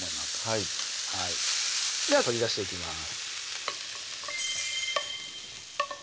はいはいでは取り出していきます